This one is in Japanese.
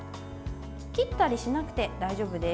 切ったりしなくて大丈夫です。